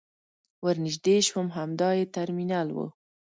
ور نژدې شوم همدا يې ترمینل و.